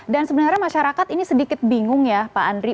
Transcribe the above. dan sebenarnya masyarakat ini sedikit bingung ya pak andri